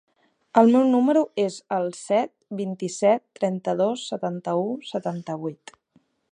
El meu número es el set, vint-i-set, trenta-dos, setanta-u, setanta-vuit.